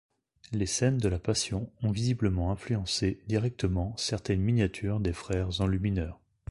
Les scènes de la Passion ont visiblement influencé directement certaines miniatures des frères enlumineurs.